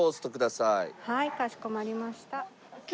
はいかしこまりました。